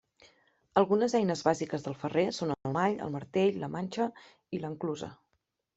Algunes eines bàsiques del ferrer són el mall, el martell, la manxa i l'enclusa.